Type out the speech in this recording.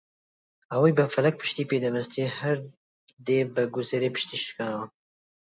ئەوەی بە فەلەک پشتیدەبەستێ هەر دێ بە گورزێ پشتی شکاوە